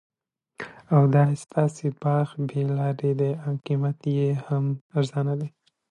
او دا ستاسي باغ بې لاري دي قیمت یې هم ارزانه دي